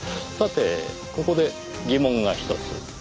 さてここで疑問がひとつ。